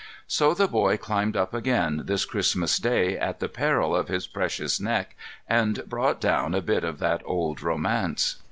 So the boy climbed up again this Christmas Day at the peril of his precious neck, and brought down a bit of that old romance.